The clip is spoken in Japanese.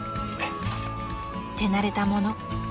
［手慣れたもの］